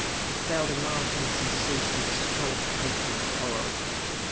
He felt a mounting sensation of scalp prickling horror.